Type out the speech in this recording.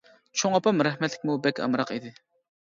چوڭ ئاپام رەھمەتلىكمۇ بەك ئامراق ئىدى.